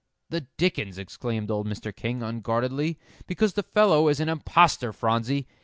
"The dickens!" exclaimed old Mr. King, unguardedly, "because the fellow is an impostor, Phronsie.